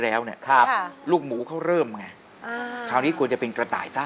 แล้วเนี่ยครับลูกหมูเขาเริ่มไงอ่าคราวนี้ควรจะเป็นกระต่ายซะ